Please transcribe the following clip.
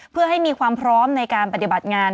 เพื่อให้มีความพร้อมในการปฏิบัติงาน